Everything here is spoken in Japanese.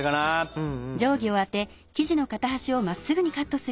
うん。